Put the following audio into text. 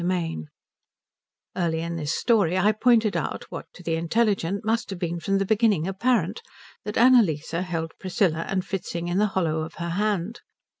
XIV Early in this story I pointed out what to the intelligent must have been from the beginning apparent, that Annalise held Priscilla and Fritzing in the hollow of her hand.